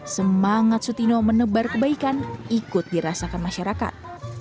semangat sutino menebar kebaikan ikut dirasakan masyarakat